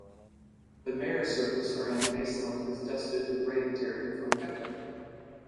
The mare surface around Maestlin is dusted with ray material from Kepler.